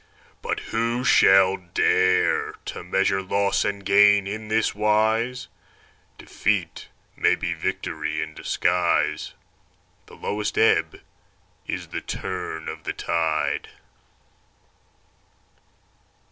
But who shall dare To measure loss and gain in this wise? Defeat may be victory in disguise; The lowest ebb is the turn of the tide.